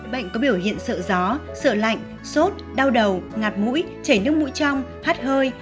bệnh có biểu hiện sợ gió sợ lạnh sốt đau đầu ngạt mũi chảy nước mũi trong hát hơi